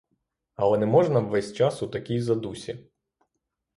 Але не можна ввесь час у такій задусі.